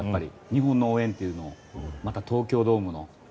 日本の応援っていうのをまた東京ドームの。